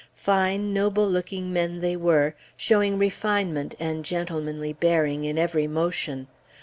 Fine, noble looking men they were, showing refinement and gentlemanly bearing in every motion.